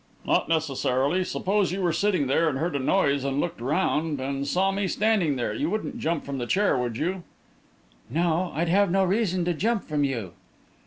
"Not necessarily. Suppose you were sitting there, and heard a noise, and looked around and saw me standing here, you wouldn't jump from the chair, would you?" "No; I'd have no reason to jump from you."